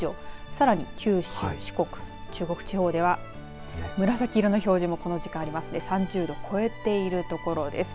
さらに九州、四国中国地方では紫色の表示もこの時間ありますね３０度超えている所です。